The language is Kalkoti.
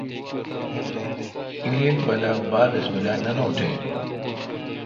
الیل بلا با بسم اللہ۔ نہ نوٹیں